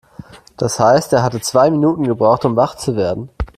Das heißt, er hatte zwei Minuten gebraucht, um wach zu werden.